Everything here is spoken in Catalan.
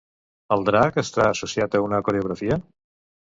El drac està associat a una coreografia?